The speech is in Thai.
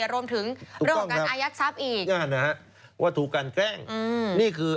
รวมถึงเรื่องของการอายัดทรัพย์อีกนั่นนะฮะว่าถูกกันแกล้งนี่คือ